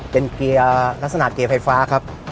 เป็นเกียร์ลักษณะเกียร์ไฟฟ้าครับ